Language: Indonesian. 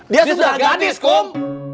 dia sudah gadis kum